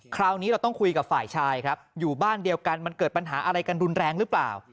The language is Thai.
คราวนี้เราต้องคุยกับฝ่ายชายครับอยู่บ้านเดียวกันมันเกิดปัญหาอะไรกันรุนแรงหรือเปล่า